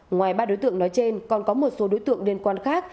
ngoài ba đối tượng nói trên còn có một số đối tượng liên quan khác